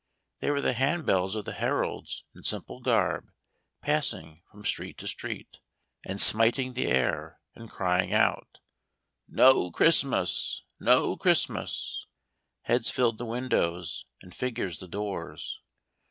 They were the hand bells of the heralds in simple garb passing from street to street and smiting the air and crying out: " No Christmas ! No Christmas !" Heads filled the windows and figures the doors.